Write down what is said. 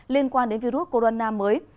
liên quan đến virus corona mới